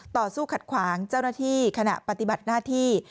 ต่อสู้ขัดขวางเจ้าหน้าที่ขณะปฏิบัติหน้าที่